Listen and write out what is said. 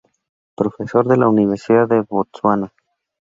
Profesor de la Universidad de Botsuana.